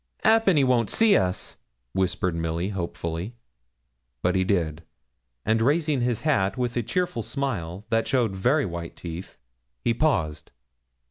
''Appen he won't see us,' whispered Milly, hopefully. But he did, and raising his hat, with a cheerful smile, that showed very white teeth, he paused.